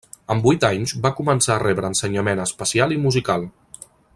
Amb vuit anys va començar a rebre ensenyament especial i musical.